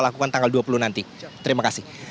lakukan tanggal dua puluh nanti terima kasih